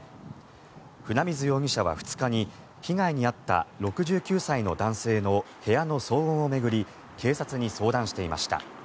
船水容疑者は２日に被害に遭った６９歳の男性の部屋の騒音を巡り警察に相談していました。